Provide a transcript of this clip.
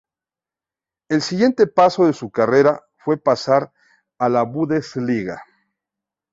El siguiente paso de su carrera fue pasar a la Bundesliga.